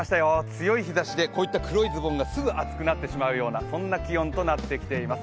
強い日ざしで、こういった黒いズボンがすぐ熱くなってきそうなそんな気温となっています。